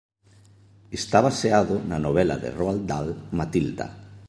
Está baseado na novela de Roald Dahl "Matilda".